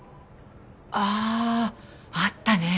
あああったね。